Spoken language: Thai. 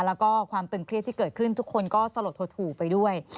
แล้วก็ความตึงเครียดที่เกิดขึ้นทุกคนก็สลดถัดถูกไปด้วย